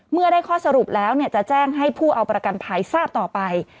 เมื่อได้ข้อสรุปแล้วจะแจ้งให้ผู้เอาประกันภัยทราบต่อไป